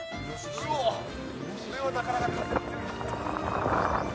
これはなかなか。